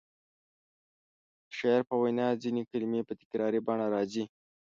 د شاعر په وینا کې ځینې کلمې په تکراري بڼه راځي.